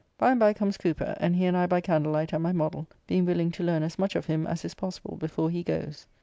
By and by comes Cooper, and he and I by candlelight at my modell, being willing to learn as much of him as is possible before he goes.